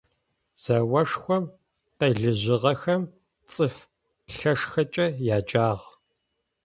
Зэошхом къелыжьыгъэхэм «Цӏыф лъэшхэкӏэ» яджагъ.